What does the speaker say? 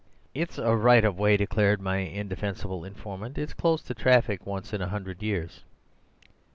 "'It's a right of way,' declared my indefensible informant. 'It's closed to traffic once in a hundred years.